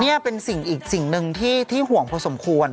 นี่เป็นสิ่งอีกสิ่งหนึ่งที่ห่วงพอสมควร